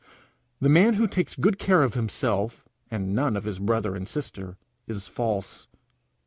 The man who takes good care of himself and none of his brother and sister, is false.